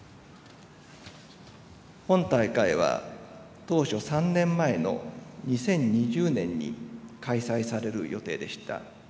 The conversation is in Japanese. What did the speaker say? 本大会は、当初３年前の２０２０年に開催される予定でした。